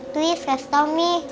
please kasih tau nek